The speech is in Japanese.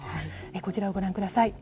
こちらをご覧ください。